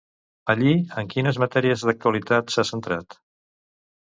Allí, en quines matèries d'actualitat s'ha centrat?